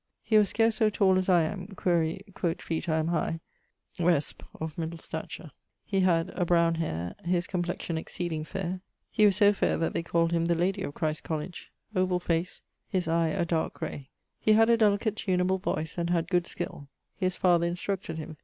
He was scarce so tall as I am quaere, quot feet I am high: resp., of middle stature. He had abroun hayre. His complexion exceeding faire he was so faire that they called him the lady of Christ's College. Ovall face. His eie a darke gray. He had a delicate tuneable voice, and had good skill. His father instructed him.